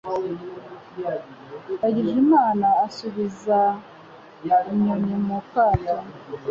Ndangijemana asubiza inyoni mu kato.